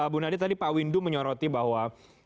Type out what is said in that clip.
bu nadia tadi pak windu menyoroti bahwa